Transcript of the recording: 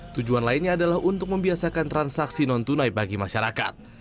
tujuan lainnya adalah untuk membiasakan transaksi non tunai bagi masyarakat